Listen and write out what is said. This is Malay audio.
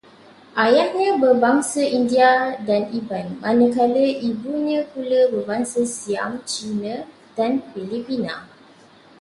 Ayahnya berbangsa India dan Iban, manakala ibunya pula berbangsa Siam, Cina dan Filipina